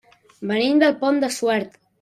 Venim del Pont de Suert.